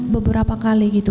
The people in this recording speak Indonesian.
beberapa kali gitu